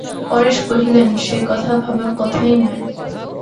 পরেশ কহিলেন, সে কথা ভাবার কথাই নয়।